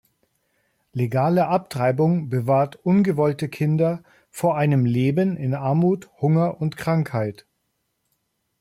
Legale Abtreibung bewahrt ungewollte Kinder vor einem Leben in Armut, Hunger und Krankheit.